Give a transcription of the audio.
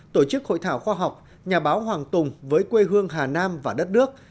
tổ chức hội thảo khoa học nhà báo hoàng tùng với quê hương hà nam và đất nước